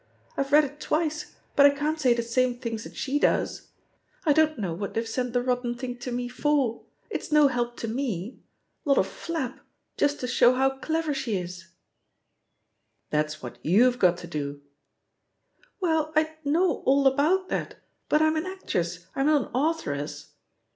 I've read it twice, but I can't say the same things that she does. I don't know what they've sent the rotten thing to me for — ^it's no help to me. Lot of flap, [just to show how clever she is I'* "That's what y(m*ve got to doT* ^"Well, I know all about that, but I'm an actress, I'm not an authoress.